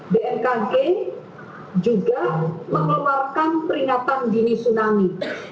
bmkg juga mengeluarkan peringatan dini tsunami